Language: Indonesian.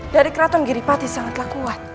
dari keraton giripati sangatlah kuat